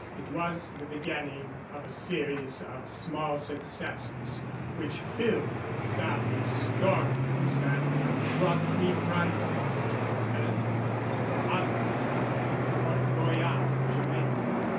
It was the beginning of a series of small successes which filled the Sally's store rooms and brought three prizes for her into the harbor of Port Royal, Jamaica.